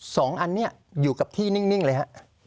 สองอันนี้อยู่กับที่นิ่งเลยฮะ